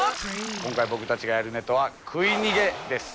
今回僕達がやるネタは「食い逃げ」です